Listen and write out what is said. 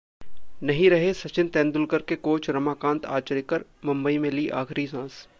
नहीं रहे सचिन तेंदुलकर के कोच रमाकांत आचरेकर, मुंबई में ली आखिरी सांस